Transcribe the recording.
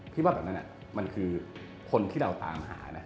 พี่ว่าแบบนั้นมันคือคนที่เราตามหานะ